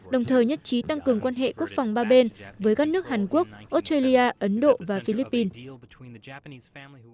đồng thời nhất trí tăng cường quan hệ quốc phòng ba bên với các nước hàn quốc australia ấn độ và philippines